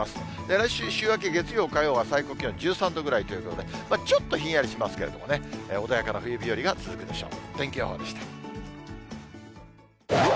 来週週明け、月曜、火曜は最高気温１３度ぐらいということで、ちょっとひんやりしますけれどもね、穏やかな冬日和が続くでしょう。